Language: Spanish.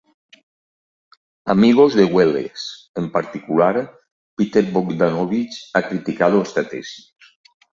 Amigos de Welles, en particular, Peter Bogdanovich, ha criticado esta tesis.